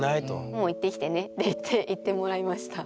「もう行ってきてね」って言って行ってもらいました。